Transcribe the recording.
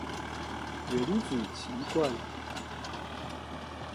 原子習慣